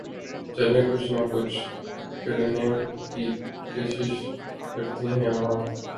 چلیں کچھ نہ کچھ کرنیں کی کیںشش کرتیں ہیں وہاں